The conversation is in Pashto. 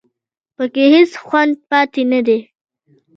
په کې هېڅ خوند پاتې نه دی